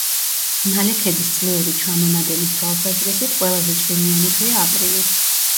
ნალექების წლიური ჩამონადენის თვალსაზრისით, ყველაზე წვიმიანი თვეა აპრილი.